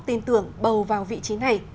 tin tưởng bầu vào vị trí này